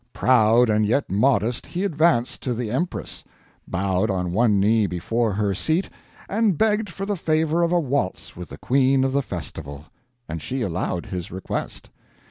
Proud and yet modest he advanced to the Empress; bowed on one knee before her seat, and begged for the favor of a waltz with the Queen of the festival. And she allowed his request.